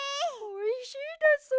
おいしいです！